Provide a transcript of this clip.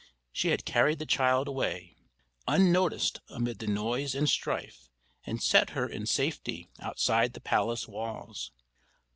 She had carried the child away, unnoticed amid the noise and strife, and set her in safety outside the palace walls.